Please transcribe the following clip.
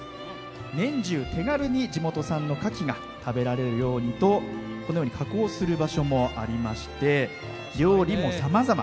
年中手軽に地元産のカキが食べられるようにと加工する場所もありまして料理もさまざま。